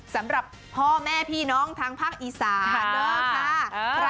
สำหรับพ่อแม่พี่น้องทางภาคอีสาน